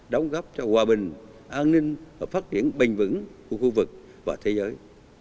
đóng góp cho hòa bình an ninh và phát triển bền vững của khu vực và thế giới